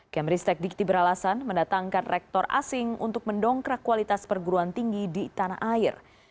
kemristek dikti beralasan mendatangkan rektor asing untuk mendongkrak kualitas perguruan tinggi di tanah air